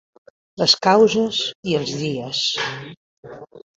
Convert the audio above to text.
Les causes i els dies